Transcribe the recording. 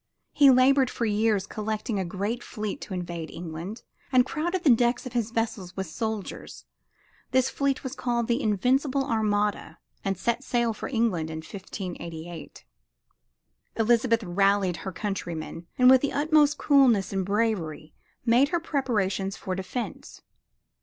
He labored for years collecting a great fleet to invade England, and crowded the decks of his vessels with soldiers. This fleet was called The Invincible Armada and set sail for England in 1588. Elizabeth rallied her countrymen, and with the utmost coolness and bravery made her preparations for defense.